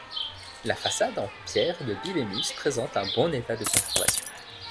La façade, en pierre de Bibémus présente un bon état de conservation.